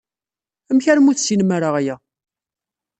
Amek armi ur tessinem ara aya?